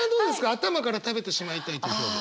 「頭から食べてしまいたい」という表現。